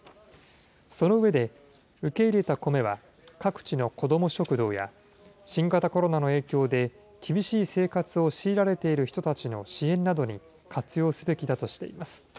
その上で受け入れたコメは、各地の子ども食堂や新型コロナの影響で厳しい生活を強いられている人たちの支援などに活用すべきだとしています。